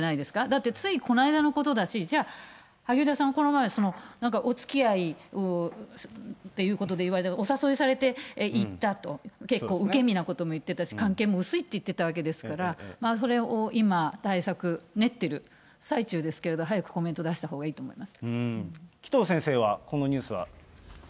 だって、ついこの間のことだし、じゃあ、萩生田さん、この前、なんかおつきあいをということで言われて、お誘いされて行ったと、結構、受け身なことも言ってたし、関係も薄いって言ってたわけですから、それを今、対策練ってる最中ですけれども、早くコメント出したほうがいいと紀藤先生は、このニュースは。